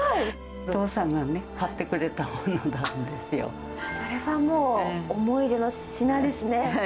お父さんが買ってくれたものそれはもう、思い出の品です